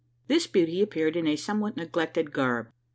This beauty appeared in a somewhat neglected garb.